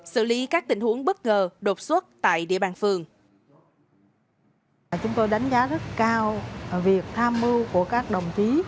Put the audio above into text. xử lý các tình huống bất ngờ đột xuất tại địa bàn phường